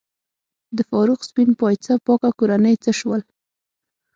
د فاروق سپین پایڅه پاکه کورنۍ څه شول؟